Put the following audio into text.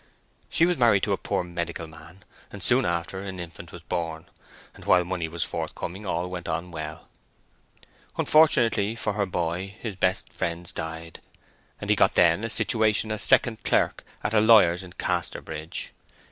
She was married to a poor medical man, and soon after an infant was born; and while money was forthcoming all went on well. Unfortunately for her boy, his best friends died; and he got then a situation as second clerk at a lawyer's in Casterbridge.